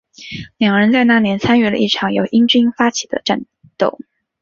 两人在那年参与了一场由英军发起的战斗。